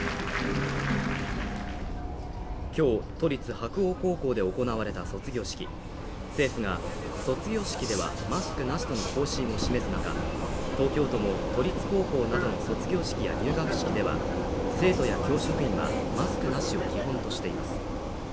今日、都立白鴎高校で行われた卒業式、政府が卒業式ではマスクなしとの方針を示す中、東京都も都立高校などの卒業式や入学式では、生徒や教職員はマスクなしを基本としています